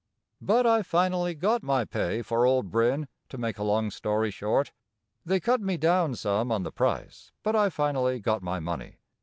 But I finally got my pay for old Brin, to make a long story short. They cut me down some on the price, but I finally got my money.